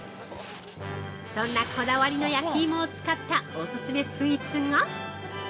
そんなこだわりの焼き芋を使ったオススメスイーツが？